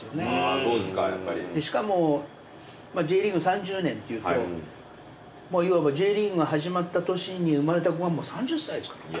３０年っていうともういわばＪリーグが始まった年に生まれた子がもう３０歳ですからね。